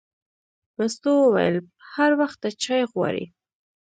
مستو وویل: هر وخت ته چای غواړې.